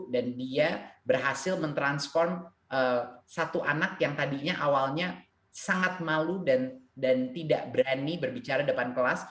dan dia berhasil mentransform satu anak yang tadinya awalnya sangat malu dan tidak berani berbicara depan kelas